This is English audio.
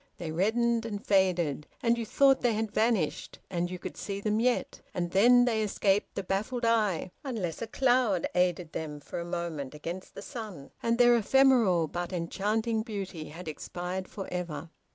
They reddened and faded, and you thought they had vanished, and you could see them yet, and then they escaped the baffled eye, unless a cloud aided them for a moment against the sun; and their ephemeral but enchanting beauty had expired for ever.